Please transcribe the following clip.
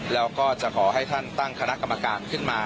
แล้วก็จะขอให้ท่านตั้งคณะกรรมการขึ้นมา